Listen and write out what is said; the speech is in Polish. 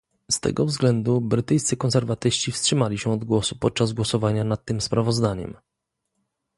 Z tego względu brytyjscy konserwatyści wstrzymali się od głosu podczas głosowania nad tym sprawozdaniem